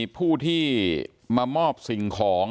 ผู้ที่มามอบสิ่งของ